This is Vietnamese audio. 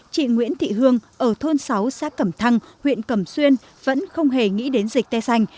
chị nguyễn thị hương ở thôn sáu xã cẩm thăng huyện cẩm xuyên vẫn không hề nghĩ đến dịch tesh